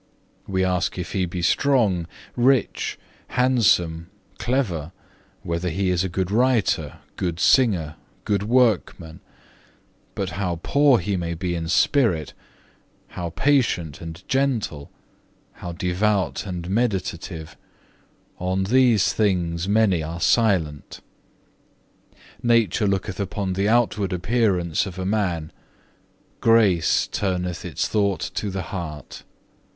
We ask if he be strong, rich, handsome, clever, whether he is a good writer, good singer, good workman; but how poor he may be in spirit, how patient and gentle, how devout and meditative, on these things many are silent. Nature looketh upon the outward appearance of a man, grace turneth its thought to the heart.